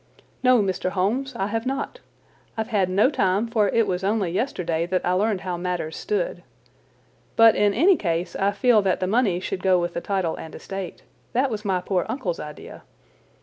"No, Mr. Holmes, I have not. I've had no time, for it was only yesterday that I learned how matters stood. But in any case I feel that the money should go with the title and estate. That was my poor uncle's idea.